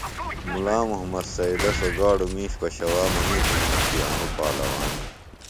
مُلا محمد سیدہ سوۡ گاڈوۡ مِش پشوا منِیتوۡ ہِنوۡ کی انوۡ پالواݨ